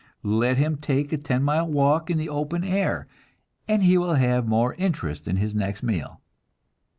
Let him take a ten mile walk in the open air, and he will have more interest in his next meal.